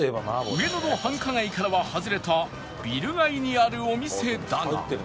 上野の繁華街からは外れたビル街にあるお店だが